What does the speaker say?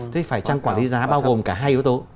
thì phải trang quản lý giá bao gồm cả hai yếu tố